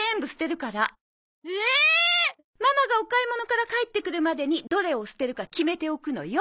ママがお買い物から帰ってくるまでにどれを捨てるか決めておくのよ。